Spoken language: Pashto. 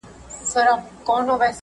ده که د مینې شعر لیکلی